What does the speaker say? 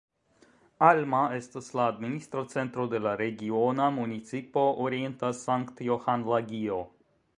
Alma estas la administra centro de la Regiona Municipo Orienta Sankt-Johan-Lagio.